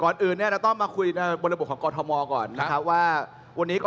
เรียงมาเลยสามนาทีนะคะ